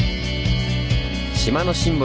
島のシンボル